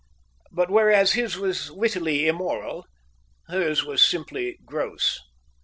But whereas his was wittily immoral, hers was simply gross.